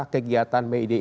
kegiatan mei id ini